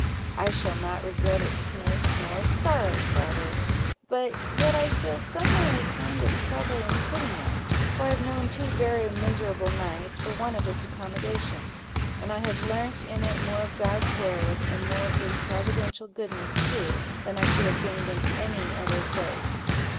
"I shall not regret its snakes nor its sorrows, father; but yet I feel someway a kind of trouble in quitting it; for I have known two very miserable nights, for want of its accommodations; and I have learnt in it more of God's word, and more of his providential goodness too, than I should have gained in any other place.